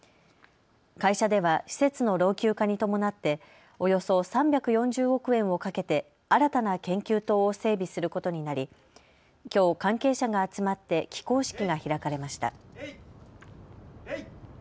会社では施設の老朽化に伴っておよそ３４０億円をかけて新たな研究棟を整備することになりきょう関係者が集まって起工式が開かれました。